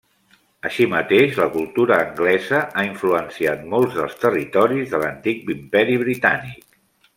Així mateix la cultura anglesa ha influenciat molts dels territoris de l'antic imperi britànic.